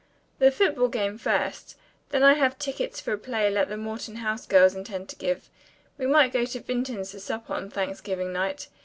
"The football game first. Then I have tickets for a play that the Morton House girls intend to give. We might go to Vinton's for supper on Thanksgiving night.